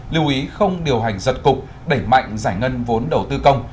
lưu ý không điều hành giật cục đẩy mạnh giải ngân vốn đầu tư công